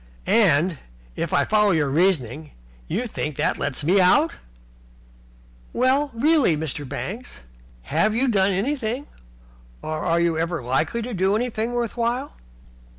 "And, if I follow your reasoning, you think that that lets me out?" "Well, really, Mr. Banks, have you done anything, or are you likely ever to do anything worth while?"